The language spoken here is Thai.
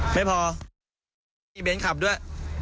ไม่พออีเบนท์ขับด้วย